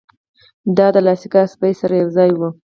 دا د لایکا سپي سره یوځای و.